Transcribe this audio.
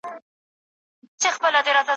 توري مو ډیري چلولي په جرګو جوړیږي